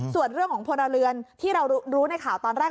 ส่วนเรื่องของพลเรือนที่เรารู้ในข่าวตอนแรก